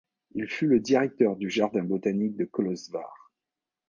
Il fut le directeur du jardin botanique de Kolozsvár.